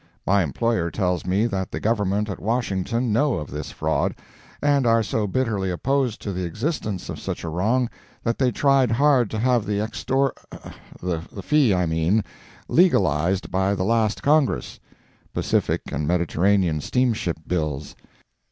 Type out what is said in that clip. My employer tells me that the Government at Washington know of this fraud, and are so bitterly opposed to the existence of such a wrong that they tried hard to have the extor the fee, I mean, legalised by the last Congress; [Pacific and Mediterranean steamship bills.